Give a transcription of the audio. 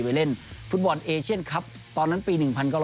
ไปเล่นฟุตบอลเอเชียนครับตอนนั้นปี๑๙